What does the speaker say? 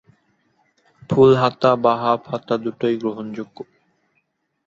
ফুল হাতা বা হাফ হাতা দুটোই গ্রহণযোগ্য।